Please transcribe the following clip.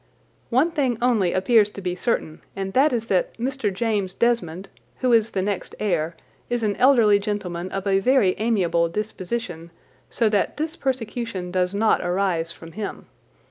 One thing only appears to be certain, and that is that Mr. James Desmond, who is the next heir, is an elderly gentleman of a very amiable disposition, so that this persecution does not arise from him.